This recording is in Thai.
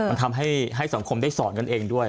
มันทำให้สังคมได้สอนกันเองด้วย